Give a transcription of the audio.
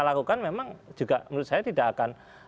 lakukan memang juga menurut saya tidak akan